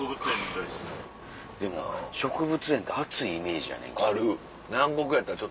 でも植物園って暑いイメージやねんけど。